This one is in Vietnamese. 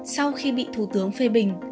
sau khi bị thủ tướng phê bình